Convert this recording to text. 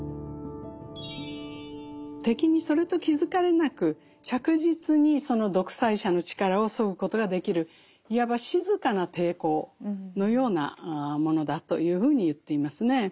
敵にそれと気付かれなく着実にその独裁者の力をそぐことができるいわば静かな抵抗のようなものだというふうに言っていますね。